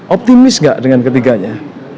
optimis gak dengan ketiganya